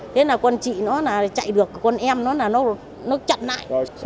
thế là con chị nó là chạy được con em nó là nó chặn lại